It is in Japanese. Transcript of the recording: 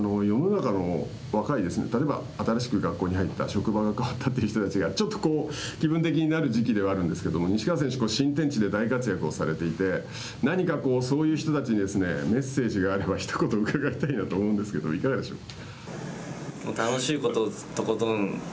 職場が変わったという人たちがちょっと気分的になる時期ではあるんですけど西川選手新天地で大活躍をされていて何かこうそういう人たちにメッセージがあれば一言伺いたいなと思うんですがいかがでしょう。